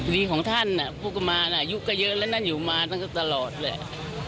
ดีของท่านน่ะพวกมันอ่ะยุคก็เยอะแล้วนั่นอยู่มาตั้งแต่ตลอดแหละ